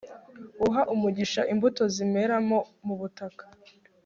uha umugisha imbuto zimeramo mubutaka